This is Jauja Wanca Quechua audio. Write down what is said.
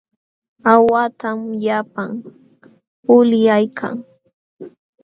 Aawahtam llapan ulyaykan.